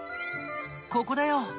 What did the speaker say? ここだよ。